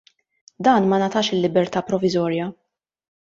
Dan ma ngħatax il-libertà proviżorja.